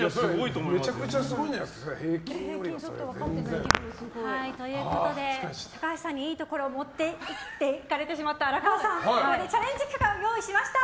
めちゃくちゃすごいんじゃないですか。ということで高橋さんにいいところを持っていかれてしまった荒川さんチャレンジ企画をご用意しました。